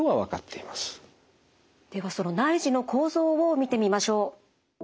ではその内耳の構造を見てみましょう。